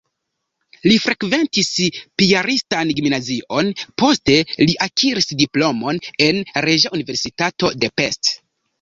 Li frekventis piaristan gimnazion, poste li akiris diplomon en Reĝa Universitato de Pest.